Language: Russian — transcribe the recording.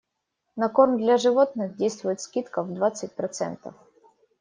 На корм для животных действует скидка в двадцать процентов.